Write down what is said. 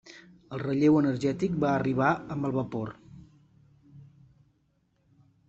El relleu energètic va arribar amb el vapor.